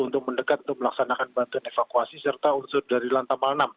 untuk mendekat untuk melaksanakan bantuan evakuasi serta unsur dari lantamal enam